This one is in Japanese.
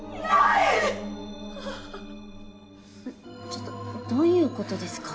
ちょっとどういうことですか？